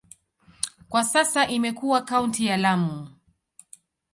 Kwa sasa imekuwa kaunti ya Lamu.